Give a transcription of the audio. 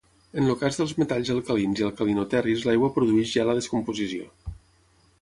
En el cas dels metalls alcalins i alcalinoterris l’aigua produeix ja la descomposició.